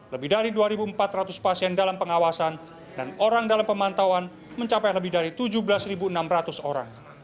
lebih dari dua empat ratus pasien dalam pengawasan dan orang dalam pemantauan mencapai lebih dari tujuh belas enam ratus orang